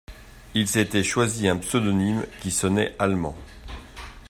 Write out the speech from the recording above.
Il s’était choisi un pseudonyme qui sonnait allemand.